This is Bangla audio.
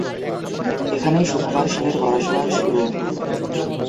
এখানেই সুকুমার সেনের পড়াশোনার শুরু।